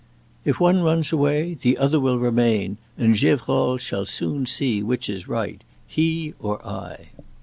If one runs away, the other will remain, and Gevrol shall soon see which is right, he or I."